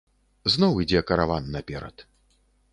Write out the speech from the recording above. Зноў ідзе караван наперад.